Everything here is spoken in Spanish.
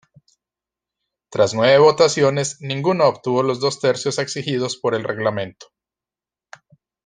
Tras nueve votaciones ninguno obtuvo los dos tercios exigidos por el Reglamento.